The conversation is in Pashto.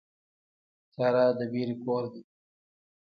تیاره د وېرې کور دی.